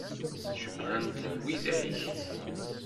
Cewwlen-t widak?